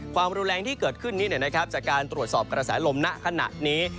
ความรุนแรงที่เกิดขึ้นนี้จากการตรวจสอบกระแสลมณขณะนี้